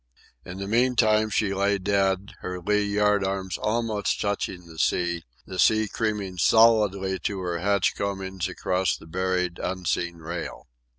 In the meantime she lay dead, her lee yardarms almost touching the sea, the sea creaming solidly to her hatch combings across the buried, unseen rail.